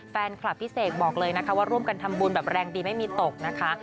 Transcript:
แฟนคลับพี่เสกบอกเลยนะคะว่าร่วมกันทำบุญแบบแรงดีไม่มีตกนะคะ